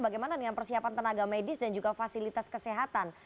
bagaimana dengan persiapan tenaga medis dan juga fasilitas kesehatan